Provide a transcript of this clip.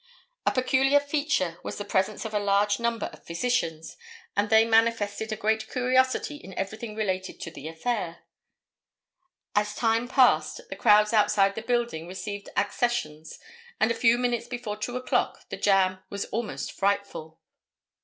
A peculiar feature was the presence of a large number of physicians, and they manifested a great curiosity in everything relating to the affair. As time passed the crowds outside the building received accessions and a few minutes before 2 o'clock the jam was almost frightful.